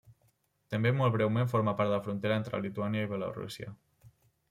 També molt breument forma part de la frontera entre Lituània i Bielorússia.